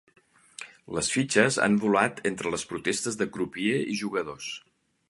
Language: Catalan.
Les fitxes han volat entre les protestes de crupier i jugadors.